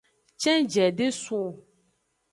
Cenjie de sun o.